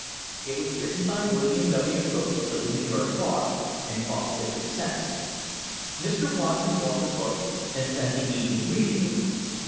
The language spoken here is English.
It was written by William W. Cook, of the New York bar, and cost fifty cents. Mr. Watson bought the book and spent the evening reading it.